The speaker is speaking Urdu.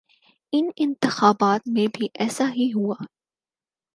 ان انتخابات میں بھی ایسا ہی ہوا۔